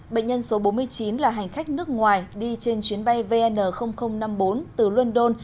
bệnh nhân số bốn mươi chín là hành khách nước ngoài đi trên chuyến bay vn năm mươi bốn từ london